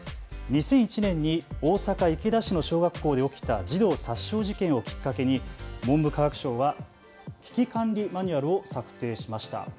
２００１年に大阪池田市の小学校で起きた児童殺傷事件をきっかけに文部科学省は危機管理マニュアルを策定しました。